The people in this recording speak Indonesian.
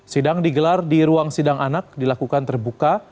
sidang digelar di ruang sidang anak dilakukan terbuka